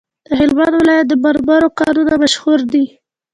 د هلمند ولایت د مرمرو کانونه مشهور دي؟